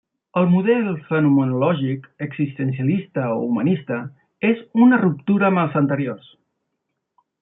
El model fenomenològic, existencialista o humanista és una ruptura amb els anteriors.